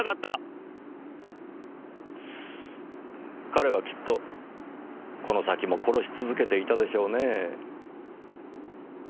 彼はきっとこの先も殺し続けていたでしょうねぇ。